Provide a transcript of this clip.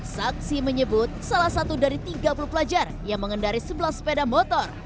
saksi menyebut salah satu dari tiga puluh pelajar yang mengendari sebelah sepeda motor